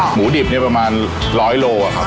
หมูดิบเนี่ยประมาณ๑๐๐โลครับ